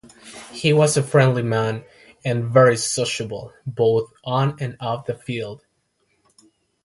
He was a friendly man and very sociable both on and off the field.